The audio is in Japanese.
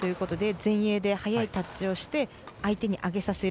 前衛で速いタッチをして相手に上げさせる。